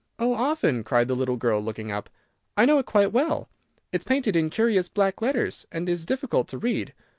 "Oh, often," cried the little girl, looking up; "I know it quite well. It is painted in curious black letters, and is difficult to read.